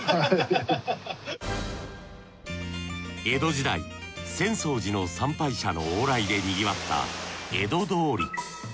江戸時代浅草寺の参拝者の往来でにぎわった江戸通り。